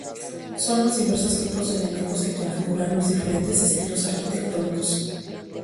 Son los diversos tipos de elementos que configuran los diferentes estilos arquitectónicos.